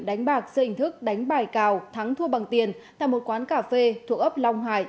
đánh bạc dưới hình thức đánh bài cào thắng thua bằng tiền tại một quán cà phê thuộc ấp long hải